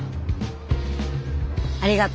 ありがと。